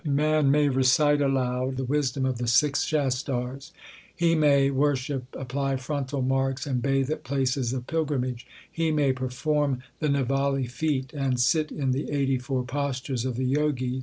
Man may recite aloud the wisdom of the six Shastars ; He may worship, apply frontal marks, and bathe at places of pilgrimage ; He may perform the nivali feat, and sit in the eighty four postures of the Jogis, but he shall obtain no comfort there from.